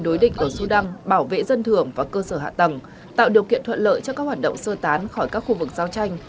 đối định ở sudan bảo vệ dân thường và cơ sở hạ tầng tạo điều kiện thuận lợi cho các hoạt động sơ tán khỏi các khu vực giao tranh